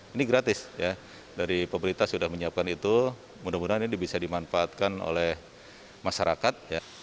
ini gratis ya dari pemerintah sudah menyiapkan itu mudah mudahan ini bisa dimanfaatkan oleh masyarakat